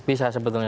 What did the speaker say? bisa bisa sebetulnya